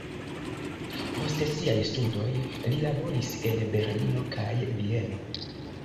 Post siaj studoj li laboris en Berlino kaj Vieno.